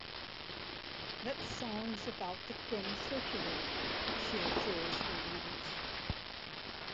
"Let songs about the quim circulate," she adjures her readers.